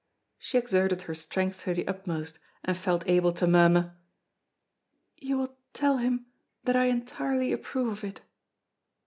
She exerted her strength to the utmost, and felt able to murmur: "You will tell him that I entirely approve of it."